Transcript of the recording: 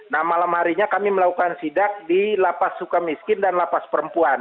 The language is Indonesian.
nah malam harinya kami melakukan sidak di lapas suka miskin dan lapas perempuan